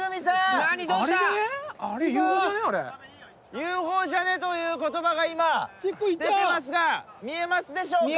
「ＵＦＯじゃね？」という言葉が今出てますが見えますでしょうか？